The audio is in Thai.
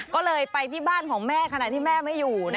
ก็เลยไปที่บ้านของแม่ขณะที่แม่ไม่อยู่